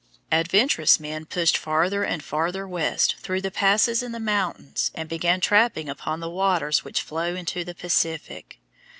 Adventurous men pushed farther and farther west through the passes in the mountains and began trapping upon the waters which flow into the Pacific.